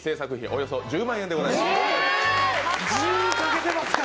およそ１０万円でございます。